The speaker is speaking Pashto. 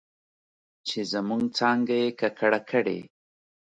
چې زموږ څانګه یې ککړه کړې